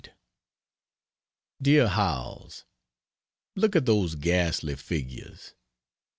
DEAR HOWELLS, Look at those ghastly figures.